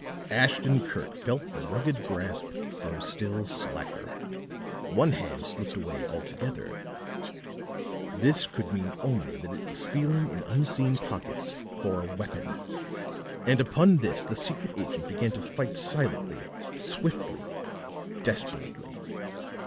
Ashton Kirk felt the rugged grasp grow still slacker; one hand slipped away altogether. This could mean only that it was feeling in unseen pockets for a weapon; and upon this the secret agent began to fight silently, swiftly, desperately.